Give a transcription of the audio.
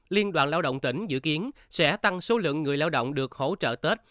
liên đoàn lao động tỉnh dự kiến sẽ tăng số lượng người lao động được hỗ trợ tết